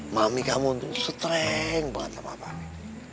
mami kamu tuh strength banget sama papi